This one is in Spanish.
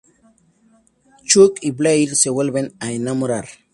Chuck y Blair se vuelven a enamorar.